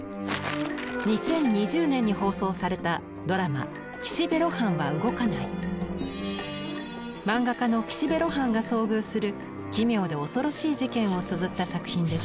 ２０２０年に放送されたドラマ漫画家の岸辺露伴が遭遇する奇妙で恐ろしい事件をつづった作品です。